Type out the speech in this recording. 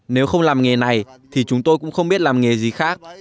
nếu không làm nghề này thì chúng tôi cũng không biết làm nghề gì khác